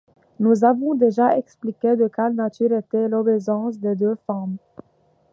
Nous avons déjà expliqué de quelle nature était l’obéissance des deux femmes.